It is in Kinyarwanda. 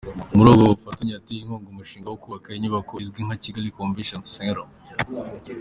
Muri ubwo bufatanye, yateye inkunga umushinga wo kubaka inyubako izwi nka Kigali Convention Centre.